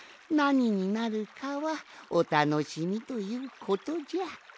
なにになるかはおたのしみということじゃ。